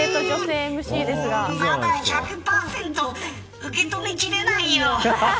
まだ１００％受け止めきれないよ。